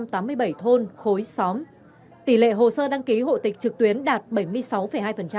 trong tám mươi bảy thôn khối xóm tỷ lệ hồ sơ đăng ký hộ tịch trực tuyến đạt bảy mươi sáu hai